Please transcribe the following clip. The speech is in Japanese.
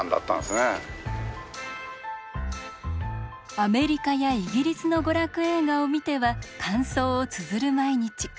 アメリカやイギリスの娯楽映画を見ては感想をつづる毎日。